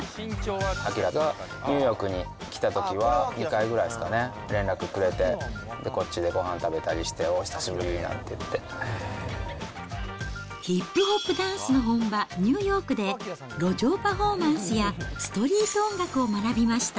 ＡＫＩＲＡがニューヨークに来たときには２回ぐらいですかね、連絡くれて、で、こっちでごはん食べたりして、おお、ヒップホップダンスの本場、ニューヨークで、路上パフォーマンスやストリート音楽を学びました。